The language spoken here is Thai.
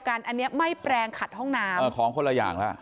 อันนี้ไม่แปลงขัดห้องน้ำเออของคนละอย่างแล้ว